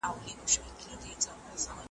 لاري کوڅې به دي له سترګو د اغیاره څارې`